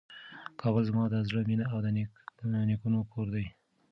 کابل زما د زړه مېنه او د نیکونو کور دی.